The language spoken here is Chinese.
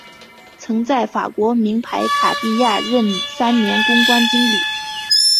曾在法国名牌卡地亚任三年公关经理。